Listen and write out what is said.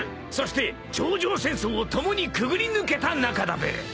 そして頂上戦争を共にくぐり抜けた仲だべ］